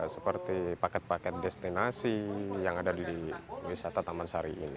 seperti paket paket destinasi yang ada di wisata taman sari ini